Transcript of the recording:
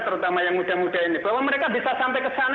terutama yang muda muda ini bahwa mereka bisa sampai ke sana